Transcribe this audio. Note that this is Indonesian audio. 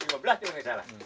lima belas kalau nggak salah